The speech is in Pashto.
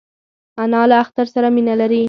انا له اختر سره مینه لري